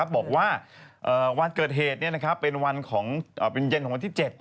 บอกว่าวันเกิดเหตุเป็นเย็นของวันที่๗